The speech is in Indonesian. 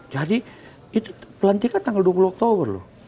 itu pelantikan tanggal dua puluh oktober loh